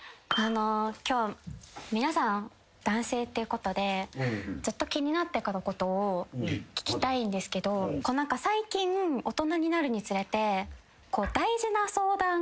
今日皆さん男性っていうことでずっと気になってたことを聞きたいんですけど最近大人になるにつれて。